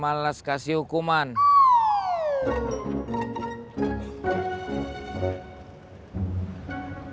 terima kasih bos udin yang baik hati